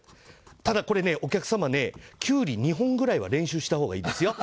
ただ、お客様キュウリ２本ぐらいは練習したほうがいいですよ。